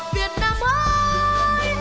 việt nam ơi